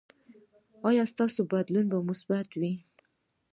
ایا ستاسو بدلون به مثبت وي؟